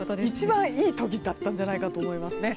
一番いい時だったんじゃないかと思います。